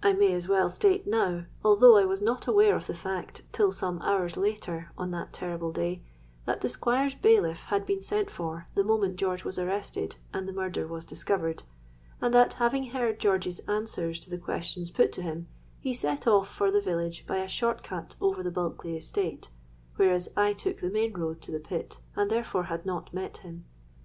"I may as well state now, although I was not aware of the fact till some hours later on that terrible day, that the Squire's bailiff had been sent for the moment George was arrested and the murder was discovered; and that, having heard George's answers to the questions put to him, he set off for the village by a short cut over the Bulkeley estate; whereas I took the main road to the pit, and therefore had not met him.